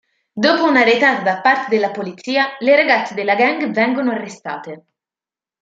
Dopo una retata da parte della polizia le ragazze della gang vengono arrestate.